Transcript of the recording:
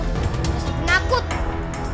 rasanya aku takut